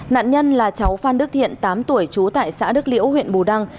nạn nhân là cháu phan đức thiện tám tuổi trú tại xã đức liễu huyện bù đăng